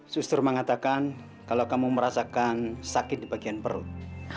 suster mengatakan kalau kamu merasakan sakit di bagian perut